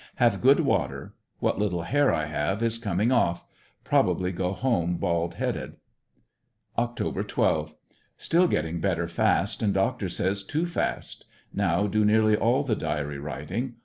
Have good water. What little hair I have is coming off; probably go home bald headed. Oct. 12.— Still ^'Ctting better fast, and doctor says too fast. Now do nearly all the diary writing.